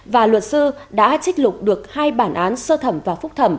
và luật sư đã trích lục được hai bản án sơ thẩm và phúc thẩm